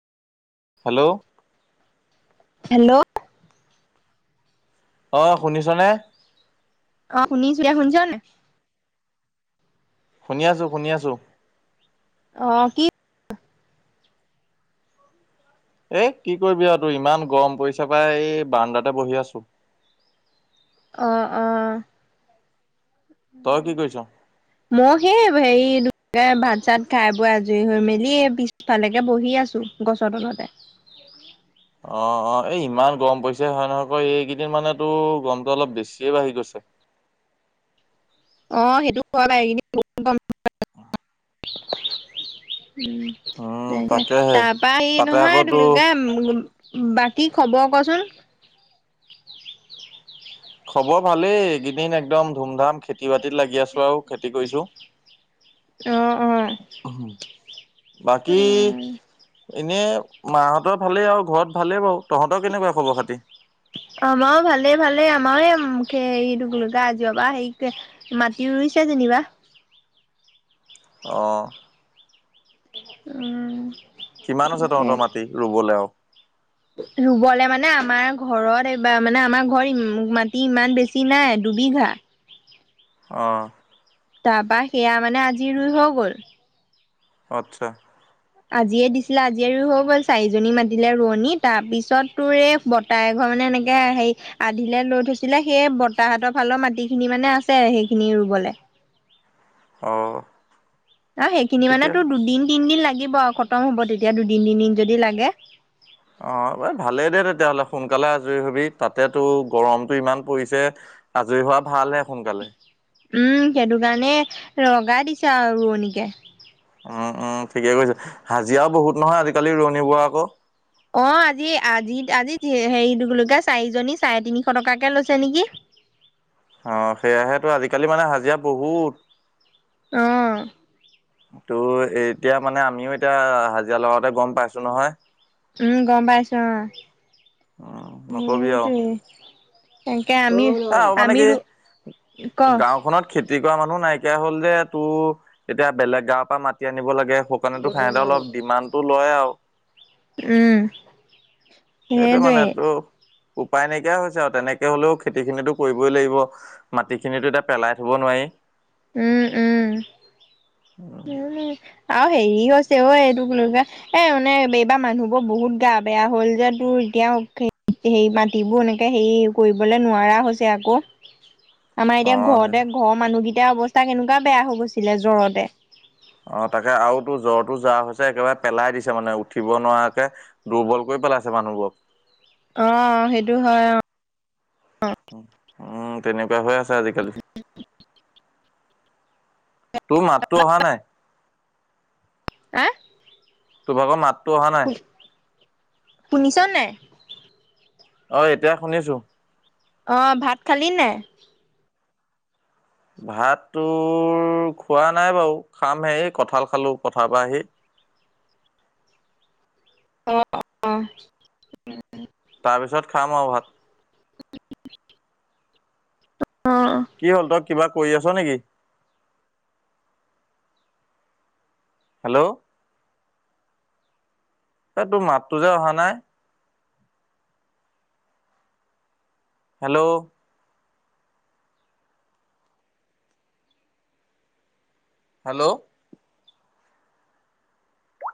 Hello, hello, অ, শুনিছ নে? অ, শুনিচো এতিয়া শুনিছ নে নাই? শুনি আছোঁ-শুনি আছোঁ। অ, কি এই কি কৰিবি আৰু তোৰ ইমান গৰম পৰিছে পাই এই বাৰন্দাতে বহি আছো। অ', অ', তই কি কৰিছ? [inaudible] মই সেই হেৰি [unintelligible] ভাত-চাত খাই বৈ আজৰি হৈ মেলি এ পিছফালেকে বহি আছোঁ। গছৰ তলতে। অ', অ', এই ইমান গৰম পৰিছে হয় নহয় ক' এইকেইদিন মানে তো গৰমটো অলপ বেছিয়ে বাঢ়ি গৈছে। অ, সেইটো কোৱা নাই [unintelligible] [unintelligible] উম, উম সনেকে তাকেহে তাৰপা এই তাতে আকৌ নহয় কি তো বুলি কয় বাকী খবৰ কচোন? খবৰ ভালেই এইকেইদিন একদম ধুমধাম খেত খেতি বাতিত লাগি আছো আৰু খেতি কৰিছো। অ', অ', অ', এনেই মাহঁতৰ ভালেই আৰু ঘৰত ভালেই বাৰু তহঁতৰ কেনেকুৱা খবৰ খাতি? আমাৰো ভালেই ভালেই আমাৰো ওম খে দুবুলেকা আজি পা সেই কে মাটি ৰুইছে যেনিবা। অ। উম। কিমান আছে তহঁতৰ মাটি ৰুবলৈ আও? ৰুবলৈ মানে আমাৰ ঘৰত এইবাৰ মানে আমাৰ ঘৰত মাটি ইমান বেছি নাই দুবিঘা। অ। তা পা সেয়া মানে আজি ৰুই হৈ গ'ল। অত্চ্ছা। আজিয়ে দিছিলে আজিয়ে ৰুই হৈ গ'ল চাৰিজনী মাতিলে ৰোৱনী তাৰপিছত তোৰ এই বত- তাই ঘৰ মানে এনেকে সেই আধিলে লৈ থৈছিলে সেই বতাহতৰ ফালৰ মাটি খিনি মানে আছে সেইখিনি ৰুবলে। অ। অ সেইখিনি মানে ঠিকে আছে। তোৰ দুদিন তিনদিন লাগিব আৰু খতম হব তেতিয়া দুদিন তিনদিন যদি লাগে। অ এই ভালেই দে তেতিয়াহ'লে সোনকালে আজৰি হবি তাতেতো গৰমটো ইমান পৰিছে। আজৰি হোৱা ভালহে সোনকালে। উম সেইটো কাৰণে লগাই দিছে আও ৰোৱনীকে। অহ অহ ঠিকে কৈছে, হাজিৰাও বহুত নহয় আজিকালি ৰোৱণীবোৰা আক। অ আজি আজি আজি হেৰি কি বুলি কয় চাৰিজনী চাৰে তিনিশ টকাকে লৈছে নেকি? অ সেয়াহেতো আজিকালি মানে হাজিৰা বহুত। অ। তোৰ এতিয়া মানে আমিও এতিয়া হাজিৰা লগাওতে গম পাইছো নহয়। উম গম পাইছো অ উম নকবি সেটোৱে। তাকে আমি আহ আৰু মানে আমি কি ৰু ক গাওখনত খেত- খতি কৰা মানুহ নাইকিয়া হ'ল যে তোৰ এতিয়া বেলেগ গাঁৱৰ পৰা মাতি আনিব লাগে। হপ- হিমানটো ফাইদা অলপ দিমানটো লয় আও। উম। সেইটো সেইটোৱে মানেটো উপায় নাইকিয়া হৈছে আৰু তেনেকে হলেও খেতি খিনিতো কৰিবই লাগিব। মাটিখিনিতো এতিয়া পেলাই থ'ব নোৱাই। উম উম। [inaudible] [unintelligible] আৰু হেৰি আছে ঐ এই তোক লৈগাই এ মানে এইবাৰ মানুহবোৰ বহুত গা বেয়া হ'ল যে তোৰ এতিয়াও খেই সেই মাটিবোৰ এনেকে হেৰি কৰিবলে নোৱাৰা হৈছে আক। আমাৰ অ এতিয়া ঘৰতে ঘৰৰ মানুহকেইটাৰ অৱস্থা কেনেকুৱা বেয়া হৈ গৈছিলে জ্বৰতে। অ তাকে আও তো জ্বৰটো যাৱা হৈছে একেবাৰে পেলাই দিছে মানে উঠিব নোৱাকে। দুৰ্বল কৰি পেলাইছে মানুহবোৰক। অ সেইটো হয় অ। উম তেনেকুৱা হৈ আছে আজিকালি। তো মাতটো অহা নাই। এ। তো ভাগৰ মাতটো অহা নাই। শুনিছ নাই? অ এতিয়া শুনিছো। অ ভাত খালি নাই? ভাত তোৰ খোৱা নাই বাও খাম হে কঁঠাল খালো পথাৰ পা আহি। অ অ। তাৰপিছত খাম আও ভাত। অহ। কি হ'ল তই কিবা কৰি আছ নেকি? হেল্ল'? এ তোৰ মাততো যে অহা নাই? হেল্ল'? হেল্ল'?